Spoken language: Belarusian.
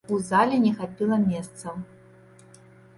У зале не хапіла месцаў.